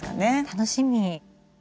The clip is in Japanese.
楽しみ。